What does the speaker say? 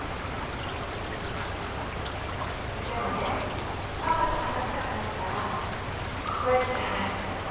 でもねパパと話したくなったらここへ来て話したらいいわ。